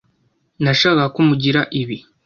Nashakaga ko mugira ibi.